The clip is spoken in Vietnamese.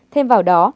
thêm vào đó